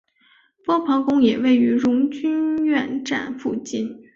波旁宫也位于荣军院站附近。